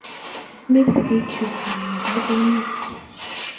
Menye sigik chuk sang nebo emet